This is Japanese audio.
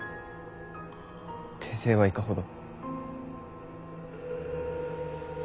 手勢はいかほど。